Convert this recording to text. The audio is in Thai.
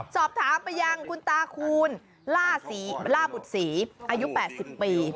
สอบถามไปยังคุณตาคูณล่าบุตรศรีอายุ๘๐ปี